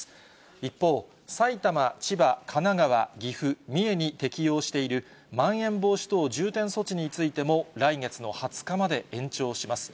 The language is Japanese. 一方、埼玉、千葉、神奈川、岐阜、三重に適用しているまん延防止等重点措置についても、来月の２０日まで延長します。